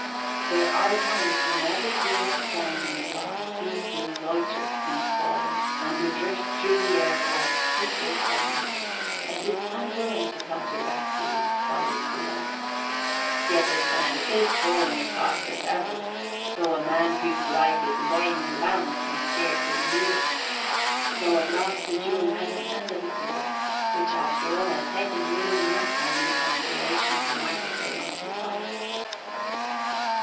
There are times when every grain of sand in the glass seems to loiter in falling and to drift through the air like thistledown, as if unwilling to come to rest with its fellows below. Yet the sand is falling as fast as ever, though a man whose life is weighing in the balance can scarcely believe it; so at last the jury made an end of its work, which after all had taken little enough time in consideration of the matter they must decide.